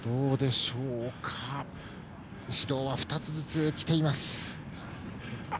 指導は２つずつきています。